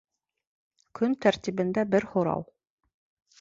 Көн тәртибендә бер һорау.